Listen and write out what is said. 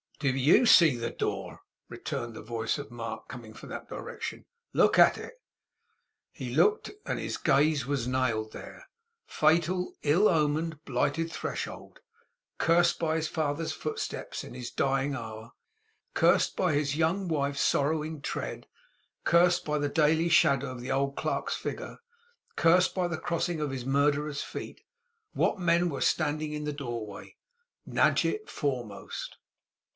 'Do YOU see the door?' returned the voice of Mark, coming from that direction. 'Look at it!' He looked, and his gaze was nailed there. Fatal, ill omened blighted threshold, cursed by his father's footsteps in his dying hour, cursed by his young wife's sorrowing tread, cursed by the daily shadow of the old clerk's figure, cursed by the crossing of his murderer's feet what men were standing in the door way! Nadgett foremost.